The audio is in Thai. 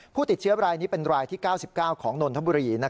ผู้ติดเชื้อรายนี้เป็นรายที่๙๙ของนนทบุรี